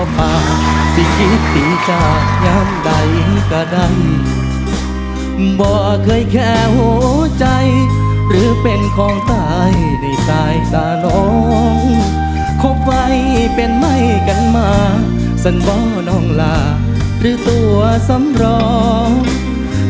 โปรดติดตามตอนต่อไป